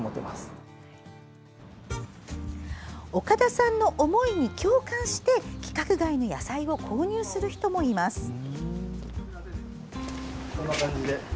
岡田さんの思いに共感して規格外の野菜を購入する人もいます。